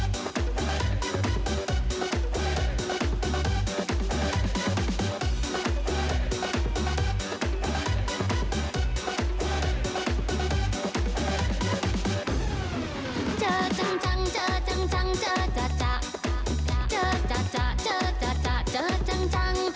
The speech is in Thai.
เจอจังจังเจอจังจังเจอจัจจักเจอจัจจักเจอจัจจักเจอจังจัง